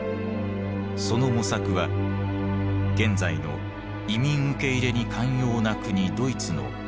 その模索は現在の移民受け入れに寛容な国ドイツの素地となっていく。